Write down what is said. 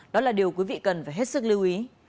đó là điều quý vị cần phải hết sức lưu ý